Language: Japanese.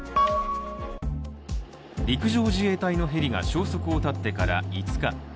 陸上自衛隊のヘリが消息を絶ってから５日。